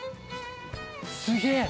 すげえ！